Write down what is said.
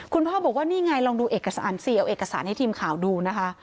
คุณพ่อบอกว่านี่ไงลองดูเอกสารสิเอาเอกสารให้ทีมข่าวดูนะคะ